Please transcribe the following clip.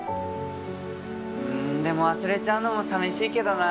うんでも忘れちゃうのも寂しいけどな。